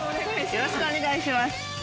よろしくお願いします。